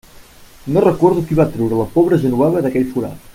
No recordo qui va treure la pobra Genoveva d'aquell forat.